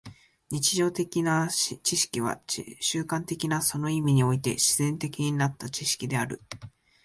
日常的な知識は習慣的な、その意味において自然的になった知識である。